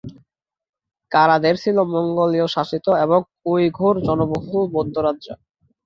কারা দেল ছিল মঙ্গোলীয় শাসিত এবং উইঘুর জনবহুল বৌদ্ধ রাজ্য।